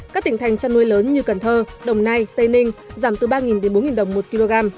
các tỉnh thành chăn nuôi lớn như cần thơ đồng nai tây ninh giảm từ ba đến bốn đồng một kg